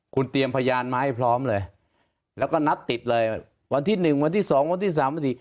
คุณเตรียมพยานมาให้พร้อมเลยแล้วก็นัดติดเลยวันที่หนึ่งวันที่สองวันที่สามวันที่